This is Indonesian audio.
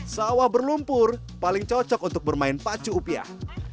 sawah berlumpur paling cocok untuk bermain pacu upiah